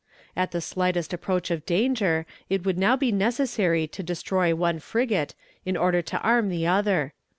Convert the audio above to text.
At the slightest approach of danger it would now be necessary to destroy one frigate, in order to arm the other.